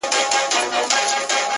• دې يوه لمن ښكلا په غېږ كي ايښې ده ـ